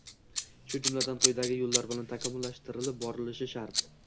shu jumladan quyidagi yo‘llar bilan takomillashtirib borilishi shart: